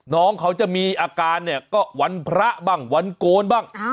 น้องเขาจะมีอาการเนี่ยก็วันพระบ้างวันโกนบ้าง